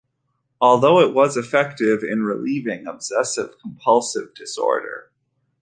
Although it was effective in relieving obsessive-compulsive disorder.